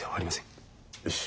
よし。